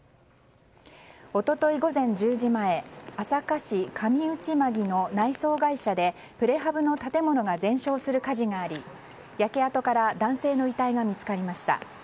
一昨日午前１０時前朝霞市上内間木の内装会社でプレハブの建物が全焼する火事があり焼け跡から男性の遺体が見つかりました。